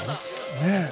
ねえ？